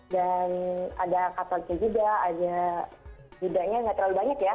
dan ada katoliknya juga ada judanya nggak terlalu banyak ya